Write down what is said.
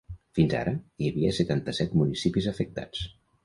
Fins ara, hi havia setanta-set municipis afectats.